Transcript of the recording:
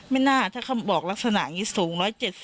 ไม่น่าถ้าคำบอกลักษณะนี้สูง๑๗๐